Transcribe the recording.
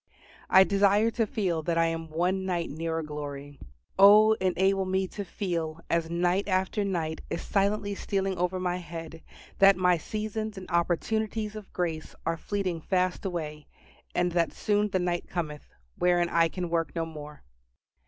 I desire to feel that I am one night nearer glory. Oh, enable me to feel, as night after night is silently stealing over my head, that my seasons and opportunities of grace are fleeting fast away, and that soon the night cometh, wherein I can work no more.